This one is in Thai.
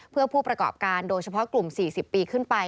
เพื่อผู้ประกอบการโดยเฉพาะกลุ่ม๔๐ปีขึ้นไป